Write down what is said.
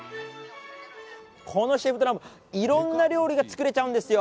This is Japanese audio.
このシェフドラム、いろんな料理が作れちゃうんですよ。